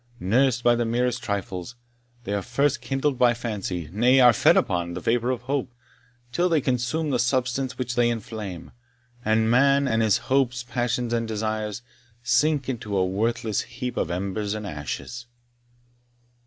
Nursed by the merest trifles, they are first kindled by fancy nay, are fed upon the vapour of hope, till they consume the substance which they inflame; and man, and his hopes, passions, and desires, sink into a worthless heap of embers and ashes!"